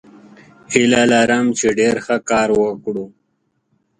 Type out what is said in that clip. هیله لرم چې ډیر ښه کار وکړو.